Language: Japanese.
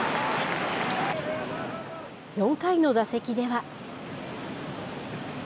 ４回の打席では。